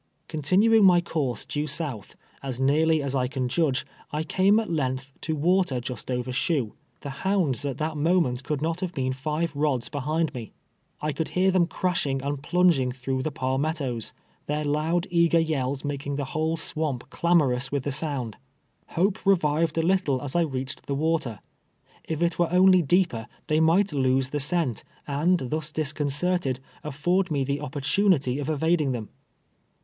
Continuing my course due south, as nearly as lean judge, I came at length to water just over shoe. The hounds at that moment could not have been five rods behind me. I could hear them crashing and jilunging througli the palmettoes, their loud, eager yells making the whole swamp clamorous with the sound. Hope revived a little as I reached the water. If it were only deeper, they might loose the scent, and thus disconcerted, afford me the opportunity of eva ding them.